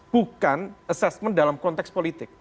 bukan assessment dalam konteks politik